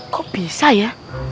kok bisa ya